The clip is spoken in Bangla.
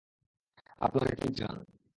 আপনারা কি চান?